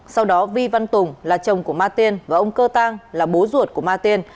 sau đó vi văn tùng là chồng của ma tiên và ông cơ tăng là bố ruột của ma tiên